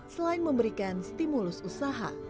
selain memberikan stimulus usaha